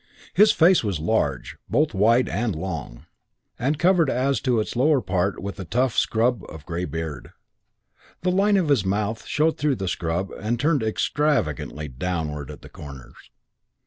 His face was large, both wide and long, and covered as to its lower part with a tough scrub of grey beard. The line of his mouth showed through the scrub and turned extravagantly downwards at the corners.